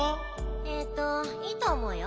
えっといいとおもうよ。